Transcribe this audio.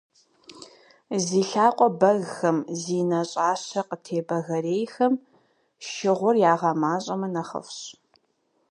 Зи лъакъуэ бэгхэм, зи нэщӀащэ къытебэгэрейхэм шыгъур ягъэмащӀэмэ нэхъыфӀщ.